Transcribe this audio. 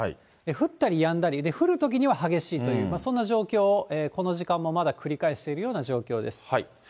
降ったりやんだり、で、降るときには激しいという、そんな状況をこの時間もまだ繰り返しているような状況です。